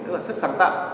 tức là sức sáng tạo